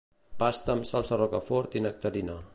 Pasta amb salsa rocafort i nectarina.